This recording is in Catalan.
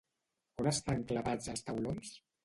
On estan clavats els taulons?